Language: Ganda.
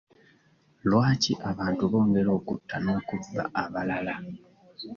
Lwaki abantu bongera okutta n'okubba abalala?